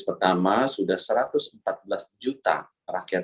pertama sudah satu ratus empat belas juta rakyat